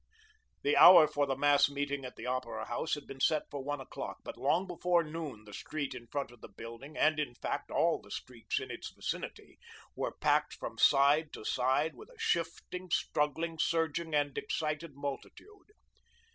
The hour for the mass meeting at the Opera House had been set for one o'clock, but long before noon the street in front of the building and, in fact, all the streets in its vicinity, were packed from side to side with a shifting, struggling, surging, and excited multitude.